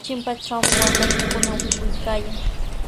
Chimpatrawmi waakaykikuna mikuykaayan.